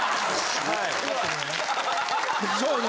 そうよね